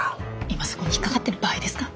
今そこに引っ掛かってる場合ですか？